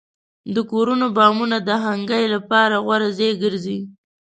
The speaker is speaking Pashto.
د کورونو بامونه د خنکۍ لپاره غوره ځای ګرځي.